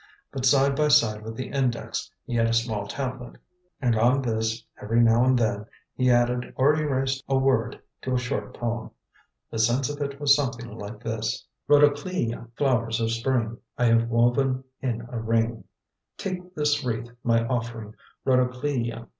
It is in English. But side by side with the index he had a small tablet, and on this, every now and then, he added or erased a word to a short poem. The sense of it was something like this: Rhodocleia, flowers of spring I have woven in a ring; Take this wreath, my offering, Rhodocleia.